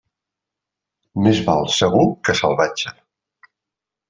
Més val segur que salvatge.